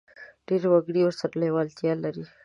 ډېر وګړي ورسره لېوالتیا لري.